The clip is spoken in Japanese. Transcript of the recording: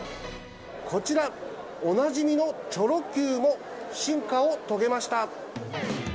こちら、おなじみのチョロＱも、進化を遂げました。